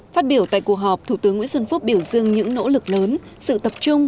phát biểu tại cuộc họp thủ tướng nguyễn xuân phúc biểu dương những nỗ lực lớn sự tập trung